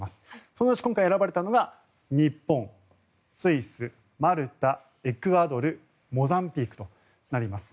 そのうち今回選ばれたのが日本、スイス、マルタエクアドル、モザンビークとなります。